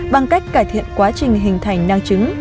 bằng cách cải thiện quá trình hình thành năng trứng